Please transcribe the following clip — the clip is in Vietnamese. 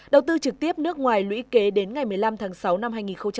đầu tư trực tiếp nước ngoài lũy kế đến ngày một mươi năm tháng sáu năm hai nghìn hai mươi